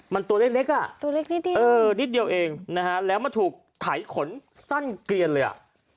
มันตัวเล็กนิดเดียวเองแล้วมันถูกถ่ายขนสั้นเกลียนเลย